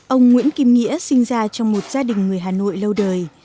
ông nguyễn kim nghĩa sinh ra trong một gia đình người hà nội lâu đời